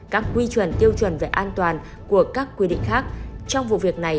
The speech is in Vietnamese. các quy chuẩn tiêu chuẩn về an toàn của các quy định khác trong vụ việc này